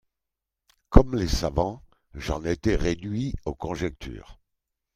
Comme les savants, j'en étais réduit aux conjectures.